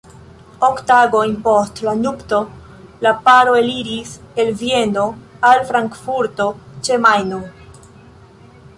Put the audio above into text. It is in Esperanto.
Ok tagojn post la nupto, la paro eliris el Vieno al Frankfurto ĉe Majno.